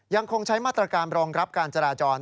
ยังคงใช้มาตรการรองรับการจราจร